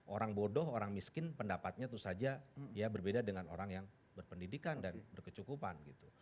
orang bodoh orang miskin pendapatnya itu saja ya berbeda dengan orang yang berpendidikan dan berkecukupan gitu